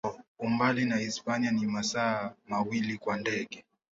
Umbali na Hispania ni masaa mawili kwa ndege.